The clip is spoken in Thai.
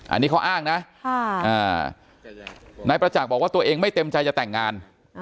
อันนี้เขาอ้างนะนายประจักษ์บอกว่าตัวเองไม่เต็มใจจะแต่งงาน